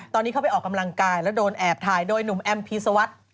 ตอนนี้เข้าไปออกกำลังกายแล้วโดนแอบถ่ายโดยหนุ่มแอมพีสวัสดิ์